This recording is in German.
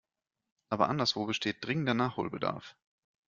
Aber anderswo besteht dringender Nachholbedarf.